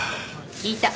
聞いた。